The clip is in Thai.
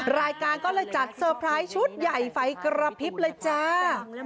รายการก็เลยจัดเซอร์ไพรส์ชุดใหญ่ไฟกระพริบเลยจ้า